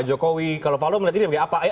jadi ketika banyak orang memuji pak jokowi